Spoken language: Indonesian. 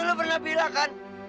dulu pernah bilang kan